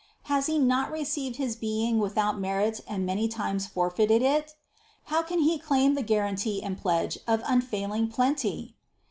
Has he not received his being without merit and many times forfeited it? How can he claim the guarantee and pledge of unfailing plenty?